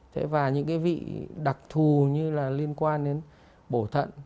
thế và những cái vị đặc thù như là liên quan đến bổ thận